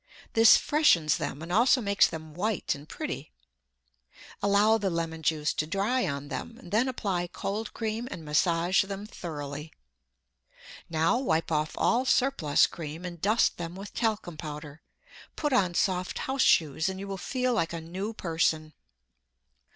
This freshens them and also makes them white and pretty. Allow the lemon juice to dry on them, then apply cold cream and massage them thoroughly. Now wipe off all surplus cream and dust them with talcum powder. Put on soft house shoes and you will feel like a new person.